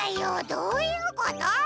どういうこと？